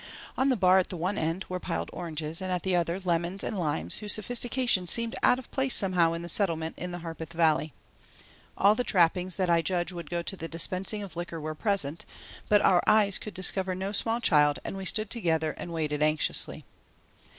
On the bar at one end were piled oranges and at the other lemons and limes whose sophistication seemed out of place somehow in the Settlement in the Harpeth Valley. All the trappings that I judge would go with the dispensing of liquor were present, but our eyes could discover no small child and we stood together and waited anxiously.